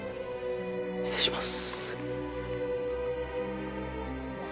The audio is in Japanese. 失礼します。